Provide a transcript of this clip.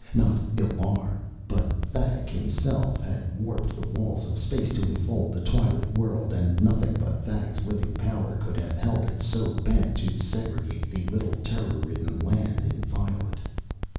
Not Illar, but Thag himself had warped the walls of space to enfold the twilit world, and nothing but Thag's living power could have held it so bent to segregate the little, terror ridden land inviolate.